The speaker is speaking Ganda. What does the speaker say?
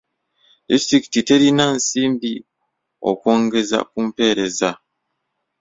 Disitulikiti terina nsimbi okwongeza ku mpeereza.